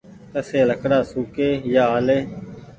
ڪسي لڪڙآ سوڪي يا آلي